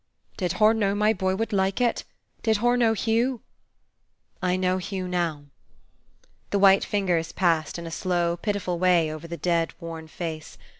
"Did hur know my boy wud like it? Did hur know Hugh?" "I know Hugh now." The white fingers passed in a slow, pitiful way over the dead, worn face.